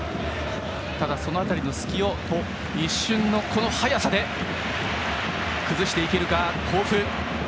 その辺りの隙を一瞬の速さで崩していけるか、甲府。